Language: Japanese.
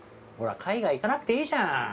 ほら海外行かなくていいじゃん。